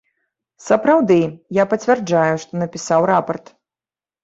Сапраўды, я пацвярджаю, што напісаў рапарт.